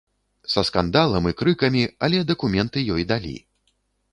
Са скандалам і крыкамі, але дакументы ёй далі.